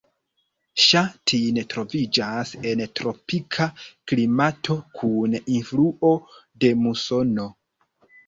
Ŝa Tin troviĝas en tropika klimato kun influo de musono.